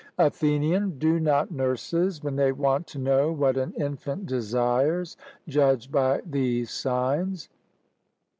ATHENIAN: Do not nurses, when they want to know what an infant desires, judge by these signs?